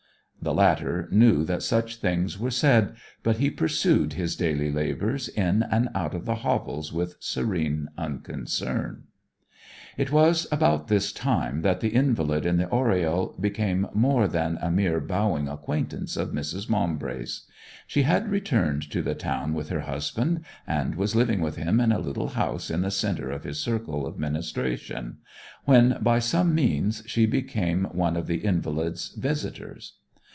The latter knew that such things were said, but he pursued his daily' labours in and out of the hovels with serene unconcern. It was about this time that the invalid in the oriel became more than a mere bowing acquaintance of Mrs. Maumbry's. She had returned to the town with her husband, and was living with him in a little house in the centre of his circle of ministration, when by some means she became one of the invalid's visitors.